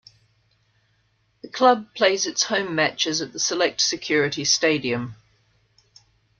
The club plays its home matches at the Select Security Stadium.